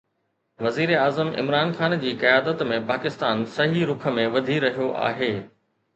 وزيراعظم عمران خان جي قيادت ۾ پاڪستان صحيح رخ ۾ وڌي رهيو آهي